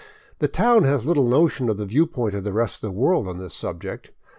The town has little notion of the viewpoint of the rest of the world on this subject.